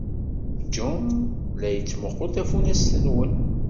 Jean la yettmuqqul tafunast-nwen.